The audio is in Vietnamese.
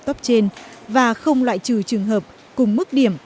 cấp trên và không loại trừ trường hợp cùng mức điểm